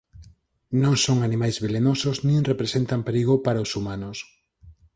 Non son animais velenosos nin representan perigo para os humanos.